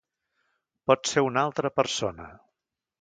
Pot ser una altra persona!